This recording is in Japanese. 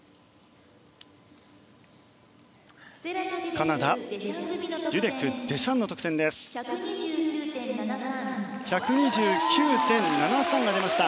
カナダデュデク、デシャンの得点は１２９．７３が出ました。